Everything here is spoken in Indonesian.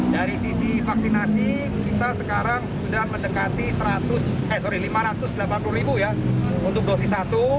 dari sisi vaksinasi kita sekarang sudah mendekati lima ratus delapan puluh ribu ya untuk dosis satu